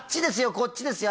こっちですよ